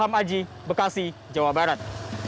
selamat aji bekasi jawa barat